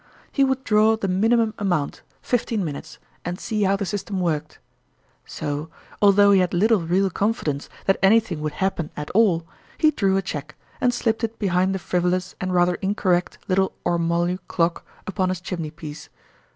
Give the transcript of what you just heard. He would draw the minimum amount, fifteen minutes, and see how the system worked. So, although he had little real confidence that anything would happen at all, he drew a cheque, and slipped it behind the frivolous and rather incorrect little ormolu clock upon his chimey piece.